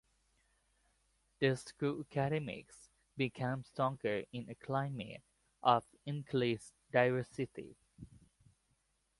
The school's academics became stronger in a climate of increased diversity.